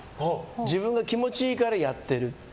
自分が気持ちいいからやってる。